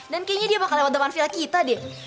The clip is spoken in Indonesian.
dan kayaknya dia bakal lewat depan villa kita deh